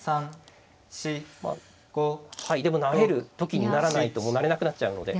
はいでも成れる時に成らないともう成れなくなっちゃうので。